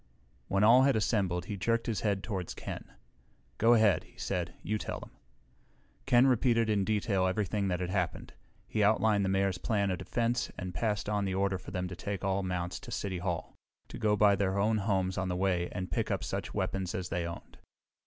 When all had assembled he jerked his head toward Ken. "Go ahead," he said. "You tell them." Ken repeated in detail everything that had happened. He outlined the Mayor's plan of defense and passed on the order for them to take all mounts to City Hall, to go by their own homes on the way and pick up such weapons as they owned.